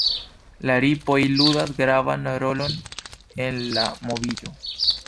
La ripoj ludas gravan rolon en la moviĝo.